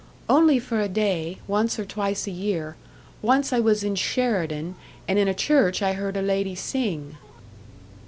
"Only for a day, once or twice a year. Once I was in Sheridan, and in a church I heard a lady sing."